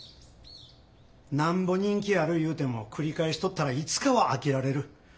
なんぼ人気あるいうても繰り返しとったらいつかは飽きられる。